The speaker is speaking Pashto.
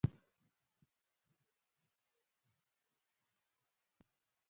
په افغانستان کې د ګاز لپاره طبیعي شرایط مناسب دي.